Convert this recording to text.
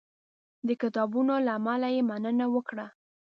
د کتابونو له امله یې مننه وکړه.